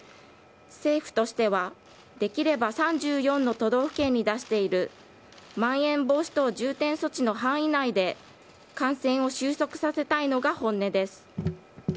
政府としては、できれば３４の都道府県に出しているまん延防止等重点措置の範囲内で感染を収束させたいのが本音です。